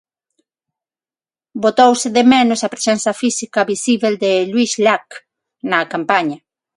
Botouse de menos a presenza física, visíbel de Lluis Llach na campaña.